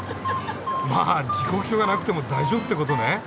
まあ時刻表がなくても大丈夫ってことね。